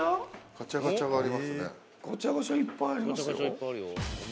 ガチャガチャいっぱいありますよ。